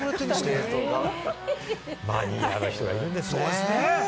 マニアの人がいるんですね。